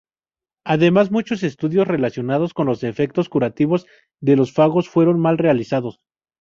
Además, muchos estudios relacionados con los efectos curativos de los fagos fueron mal realizados.